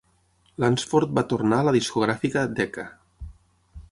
Lunceford va tornar a la discogràfica Decca.